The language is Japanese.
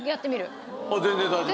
全然大丈夫？